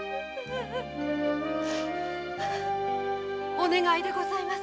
お願いでございます。